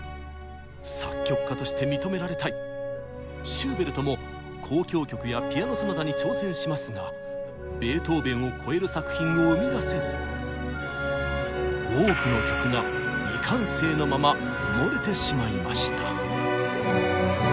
シューベルトも交響曲やピアノ・ソナタに挑戦しますがベートーベンを超える作品を生み出せず多くの曲が未完成のまま埋もれてしまいました。